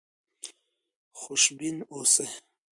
خوشبین اوسئ.